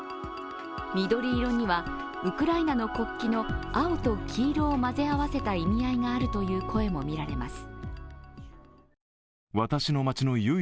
緑色にはウクライナの国旗の青と黄色を混ぜ合わせた意味合いがあるという声もみられます。